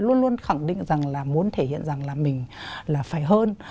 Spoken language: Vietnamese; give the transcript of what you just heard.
luôn luôn khẳng định rằng là muốn thể hiện rằng là mình là phải hơn